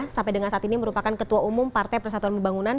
sampai dengan saat ini merupakan ketua umum partai persatuan pembangunan